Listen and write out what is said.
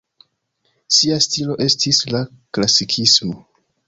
Sia stilo estis la klasikismo.